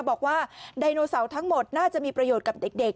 ไดโนเสาร์ทั้งหมดน่าจะมีประโยชน์กับเด็ก